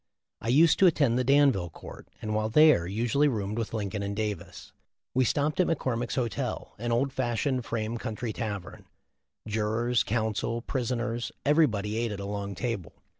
I used to attend the Danville court, and while there, usually roomed with Lincoln and Davis. We stopped at McCor mick's hotel, an old fashioned frame country tavern. Jurors, counsel, prisoners, everybody ate at a long table.